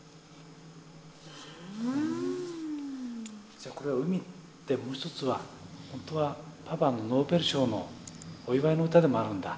じゃあこれは海ってもう一つはほんとはパパのノーベル賞のお祝いの歌でもあるんだ。